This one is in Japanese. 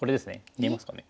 見えますかね？